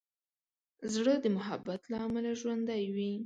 زړه د محبت له امله ژوندی وي.